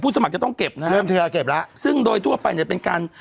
สมัครจะต้องเก็บนะฮะเริ่มเทือเก็บแล้วซึ่งโดยทั่วไปเนี่ยเป็นการ